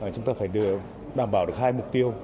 chúng ta phải đảm bảo được hai mục tiêu